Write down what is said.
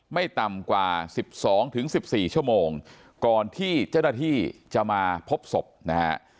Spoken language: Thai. ไม่ต่ำกว่า๑๒๑๔ชั่วโมงก่อนที่เจ้าหน้าที่จะมาพบศพนะฮะ